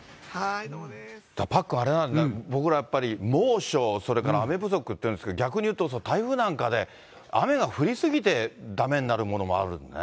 パックン、あれなんですね、僕らやっぱり、猛暑、それから雨不足って言うんですけど、逆に言うと、台風なんかで、雨が降り過ぎてだめになるものもあるんだね。